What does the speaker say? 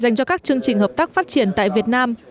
dành cho các chương trình hợp tác phát triển tại việt nam